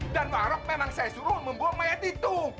dan warog memang saya suruh membuang mayat itu